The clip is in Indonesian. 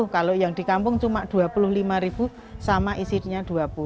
kalau yang di kampung cuma rp dua puluh lima ribu sama isinya dua puluh